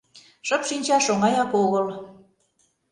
Шып шинчаш оҥаяк огыл.